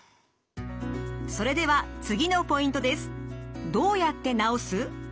それでは次のポイントです。